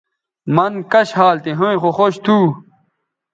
مَن کش حال تھی ھویں خو خوش تھو